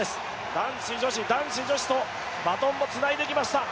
男子・女子・男子・女子とバトンをつないできました。